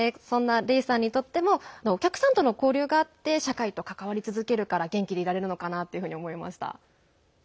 レイさんにとってもお客さんとの交流があって社会と関わり続けるから元気でいられるのかなというふうに思いました。